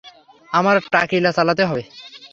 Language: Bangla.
আমার টাকিলা চালাতে হবে?